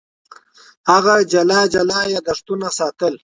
هغه جلا جلا یادښتونه ساتل.